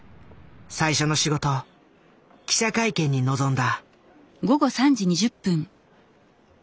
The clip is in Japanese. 最初の仕事記者会見に臨んだ。